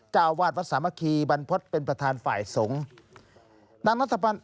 เจ้าวาดวัดสามัคคีบรรพฤษเป็นประธานฝ่ายสงฆ์